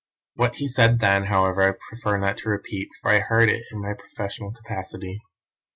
What he said then, however, I prefer not to repeat, for I heard it in my professional capacity.